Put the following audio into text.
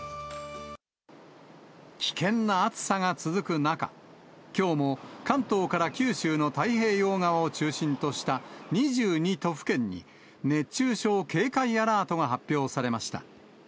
危険な暑さが続く中、きょうも関東から九州の太平洋側を中心とした２２都府県に、熱中症警戒アラートが発表されました。